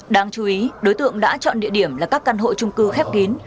đáng chú ý đối tượng đã chọn địa điểm là các căn hộ trung cư khép kín